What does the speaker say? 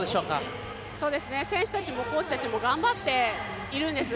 選手たちも、コーチたちも頑張っているんです。